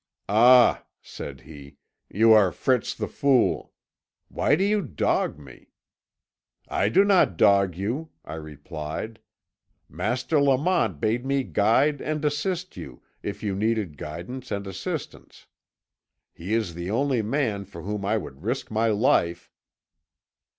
'Ah,' said he, 'you are Fritz the Fool; why do you dog me?' 'I do not dog you,' I replied; 'Master Lamont bade me guide and assist you, if you needed guidance and assistance. He is the only man for whom I would risk my life.'